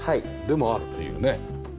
でもあるというね。